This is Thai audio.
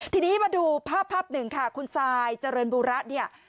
ทีนี้มาดูภาพภาพหนึ่งค่ะคุณซายเจริญบูระเนี่ย